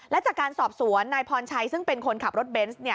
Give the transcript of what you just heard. และจากการสอบสวนนายพรชัยซึ่งเป็นคนขับรถเบนส์